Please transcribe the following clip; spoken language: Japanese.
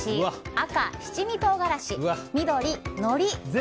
赤、七味唐辛子緑、のり。